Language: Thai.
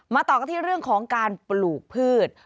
ต่อกันที่เรื่องของการปลูกพืช